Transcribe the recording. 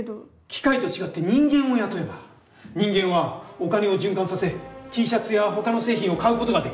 機械と違って人間を雇えば人間はおカネを循環させＴシャツやほかの製品を買うことができる。